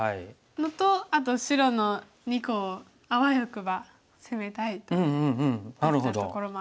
のとあと白の２個をあわよくば攻めたいといったところもあります。